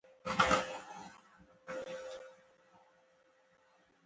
که زندان که پنجره وه نس یې موړ وو